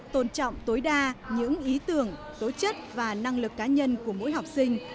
tôn trọng tối đa những ý tưởng tối chất và năng lực cá nhân của mỗi học sinh